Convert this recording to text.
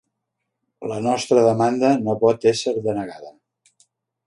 La nostra demanda no pot ésser denegada.